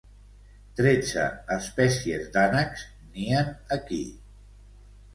Tretze espècies d'ànecs nien aquí.